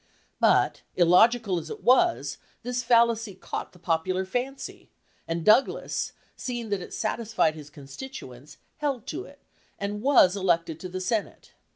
But, illogical as it was, this fallacy caught the popular fancy, and Douglas, seeing that it sat isfied his constituents, held to it and was elected to the Senate.